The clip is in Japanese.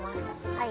はい。